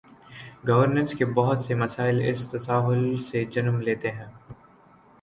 Governance کے بہت سے مسائل اس تساہل سے جنم لیتے ہیں۔